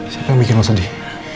siapa yang bikin lo sedih